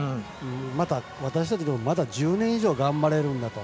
また、私たちもまだ１０年以上頑張れるんだと。